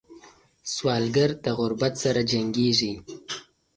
سوالګر د غربت سره جنګېږي